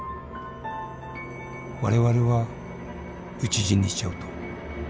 我々は討ち死にしちゃうと。